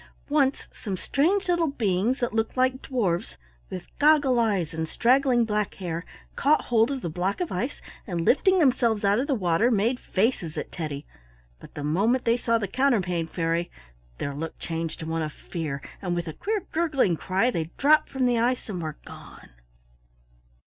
Once some strange little beings that looked like dwarfs, with goggle eyes and straggling black hair, caught hold of the block of ice, and lifting themselves out of the water made faces at Teddy, but the moment they saw the Counterpane Fairy their looked changed to one of fear, and with a queer gurgling cry they dropped from the ice and were gone.